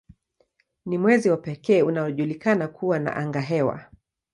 Ni mwezi wa pekee unaojulikana kuwa na angahewa.